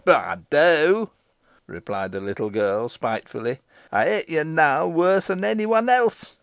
"Boh ey do," replied the little girl, spitefully. "Ey hate yo now warser than onny wan else.